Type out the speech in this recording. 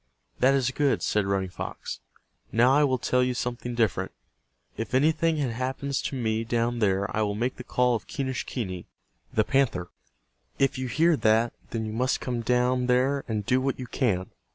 "That is good," said Running Fox. "Now I will tell you something different. If anything had happens to me down there I will make the call of Quenischquney, the panther. If you hear that then you must come down there and do what you can.